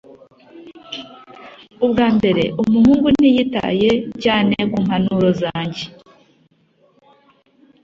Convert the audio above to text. Ubwa mbere, umuhungu ntiyitaye cyane kumpanuro zanjye.